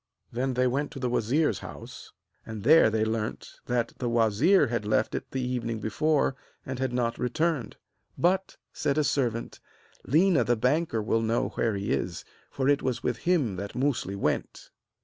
Then they went to the wazir's house, and there they learnt that the wazir had left it the evening before and had not returned; 'but,' said a servant, 'Léna the banker will know where he is, for it was with him that Musli went.'